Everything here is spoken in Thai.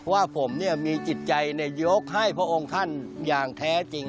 ว่าผมมีจิตใจยกให้พระองค์ท่านอย่างแท้จริง